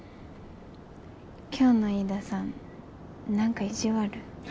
今日の飯田さんなんか意地悪。